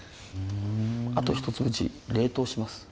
あと一つうち冷凍します。